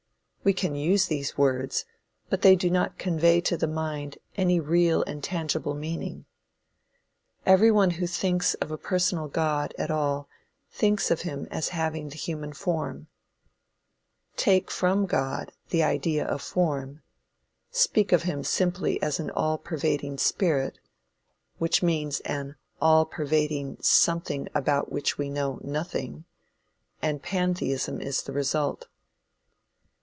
We can use these words, but they do not convey to the mind any real and tangible meaning. Every one who thinks of a personal God at all, thinks of him as having the human form. Take from God the idea of form; speak of him simply as an all pervading spirit which means an all pervading something about which we know nothing and Pantheism is the result.